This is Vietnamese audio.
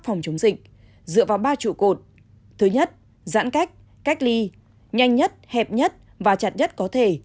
phòng chống dịch dựa vào ba trụ cột thứ nhất giãn cách cách ly nhanh nhất hẹp nhất và chặt nhất có thể